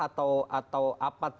atau apa tips ini untuk partainya